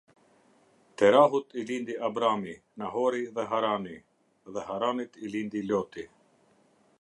Terahut i lindi Abrami, Nahori dhe Harani; dhe Haranit i lindi Loti.